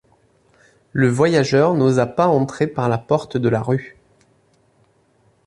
Le voyageur n’osa pas entrer par la porte de la rue.